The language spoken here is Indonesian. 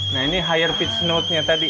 nah ini high pitch note nya tadi